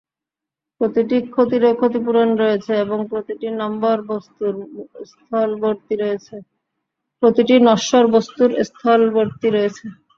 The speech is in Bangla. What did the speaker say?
প্রতিটি ক্ষতিরই ক্ষতিপূরণ রয়েছে এবং প্রতিটি নশ্বর বস্তুর স্থলবর্তী রয়েছে।